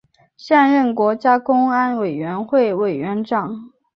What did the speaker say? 现任国家公安委员会委员长。